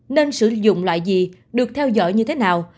nên sử dụng loại gì được theo dõi như thế nào